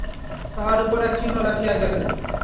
তাহার উপরে এক চিহ্ন রাখিয়া গেলেন।